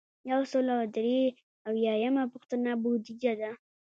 یو سل او درې اویایمه پوښتنه بودیجه ده.